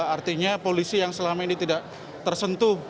artinya polisi yang selama ini tidak tersentuh